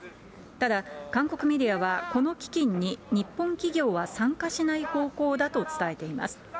ただ、韓国メディアはこの基金に日本企業は参加しない方向だと伝えています。